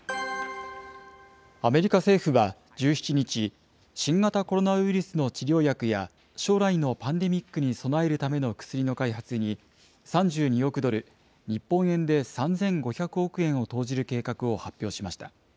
アメリカ政府は１７日、新型コロナウイルスの治療薬や、将来のパンデミックに備えるための薬の開発に、３２億ドル、日本円で３５００億円を投じる計画を発表しました。